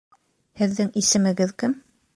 Һеҙҙең исемегеҙ кем?